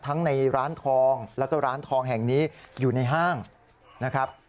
ในร้านทองแล้วก็ร้านทองแห่งนี้อยู่ในห้างนะครับ